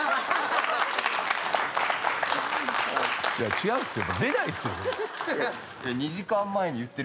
違うんすよ。